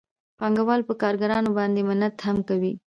پانګوال په کارګرانو باندې منت هم کوي